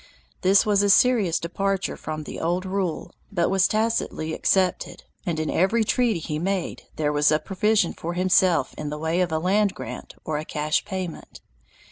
This was a serious departure from the old rule but was tacitly accepted, and in every treaty he made there was provision for himself in the way of a land grant or a cash payment.